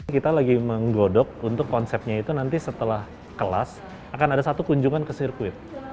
kita lagi menggodok untuk konsepnya itu nanti setelah kelas akan ada satu kunjungan ke sirkuit